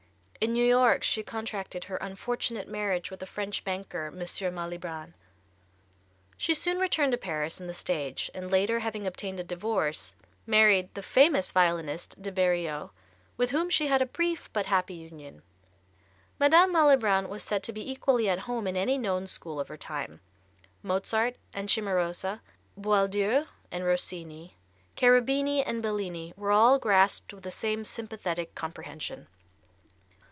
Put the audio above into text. In New York she contracted her unfortunate marriage with the French banker, M. Malibran. She soon returned to Paris and the stage, and later having obtained a divorce, married the famous violinist De Beriot, with whom she had a brief but happy union. Madame Malibran was said to be equally at home in any known school of her time. Mozart and Cimarosa, Boieldieu and Rossini, Cherubini and Bellini were all grasped with the same sympathetic comprehension.